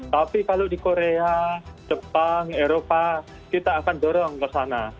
tapi kalau di korea jepang eropa kita akan dorong ke sana